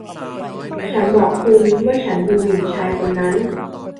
ฉันบอกคุณว่าฉันดูหมิ่นชายคนนั้น